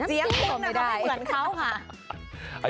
เสียงเหมือนเขาอ่ะ